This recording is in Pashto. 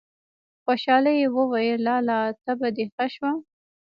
په خوشالي يې وويل: لالا! تبه دې ښه شوه!!!